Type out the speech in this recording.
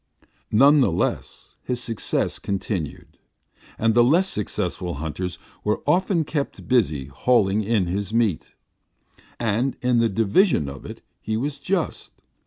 None the less, his success continued, and the less skilful hunters were often kept busy hauling in his meat. And in the division of it he was just.